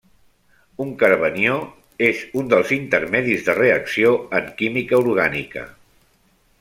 Un carbanió és un dels intermedis de reacció en química orgànica.